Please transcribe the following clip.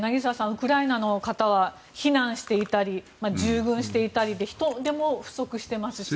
ウクライナの方は避難していた人従軍していたりで人手も不足していますし。